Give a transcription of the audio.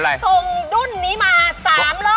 อะไรส่งดุ่นนี้มา๓รอบ